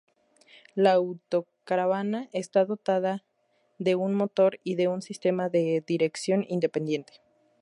La autocaravana está dotada de un motor y de un sistema de dirección independiente.